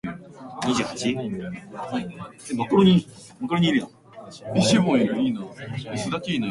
早く文章溜めて